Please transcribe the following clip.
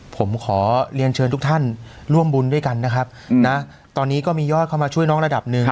ผมขอเรียนเชิญทุกท่านร่วมบุญด้วยกันนะครับนะตอนนี้ก็มียอดเข้ามาช่วยน้องระดับหนึ่ง